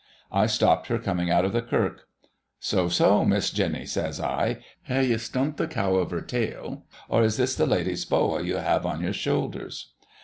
I stopped her coming out of the kirk. So So, Miss Jeny (says I) hae ye stumped the cow of her tale> or is this the ladies Bowa ye have on your sholders